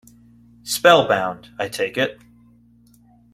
Spell-bound, I take it.